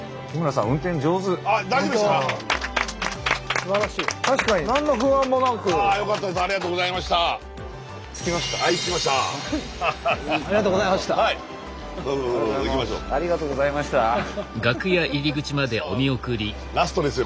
さあラストですよ